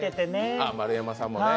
ああ、丸山さんもね。